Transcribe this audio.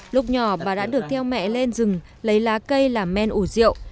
lúc nhỏ bà đã được theo mẹ lên rừng lấy lá cây làm men ủ rượu